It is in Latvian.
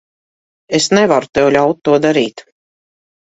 Es nevaru tev ļaut to darīt.